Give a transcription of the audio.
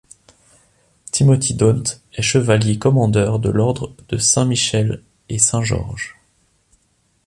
Timothy Daunt est chevalier commandeur de l'ordre de Saint-Michel et Saint-Georges.